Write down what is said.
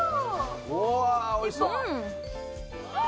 うわおいしそう。